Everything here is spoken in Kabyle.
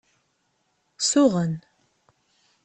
Suɣen.